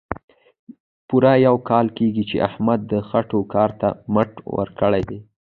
پوره یو کال کېږي، چې احمد د خټو کار ته مټ ورکړې ده.